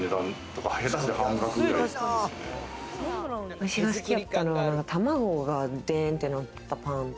私が好きやったのは卵が、でんって乗ったパン。